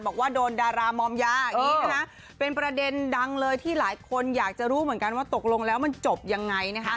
บอกว่าโดนดารามอมยาอย่างนี้นะคะเป็นประเด็นดังเลยที่หลายคนอยากจะรู้เหมือนกันว่าตกลงแล้วมันจบยังไงนะคะ